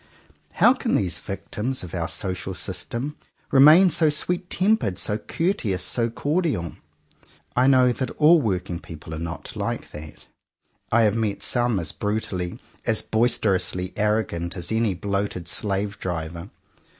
How can these victims of our social system remain so sweet tempered, so courteous, so cordial ^ I know that all work ing people are not like that. I have met some as brutally, as boisterously arrogant, as any bloated slave driver.